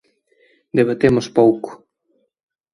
Debatemos pouco.